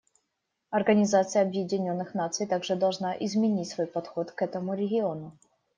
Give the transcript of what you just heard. Организация Объединенных Наций также должна изменить свой подход к этому региону.